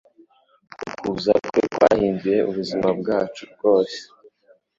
Ukuza kwe kwahinduye ubuzima bwacu rwose.